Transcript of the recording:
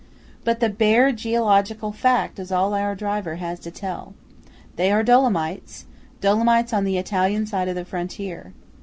But the bare geological fact is all our driver has to tell. They are Dolomites–Dolomites on the Italian side of the frontier.